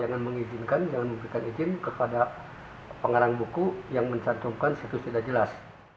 jangan mengizinkan jangan memberikan izin kepada pengarang buku yang mencantumkan situs tidak jelas